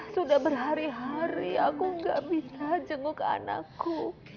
sudah berhari hari aku gak bisa jenguk anakku